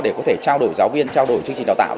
để có thể trao đổi giáo viên trao đổi chương trình đào tạo